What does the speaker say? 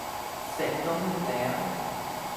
เสร็จก็มืดแล้ว